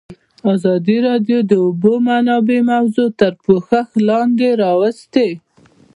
ازادي راډیو د د اوبو منابع موضوع تر پوښښ لاندې راوستې.